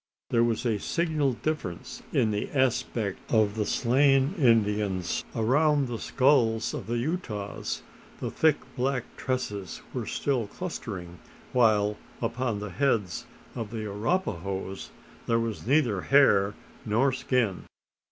There was a signal difference in the aspect of the slain Indians. Around the skulls of the Utahs, the thick black tresses were still clustering; while upon the heads of the Arapahoes there was neither hair nor skin.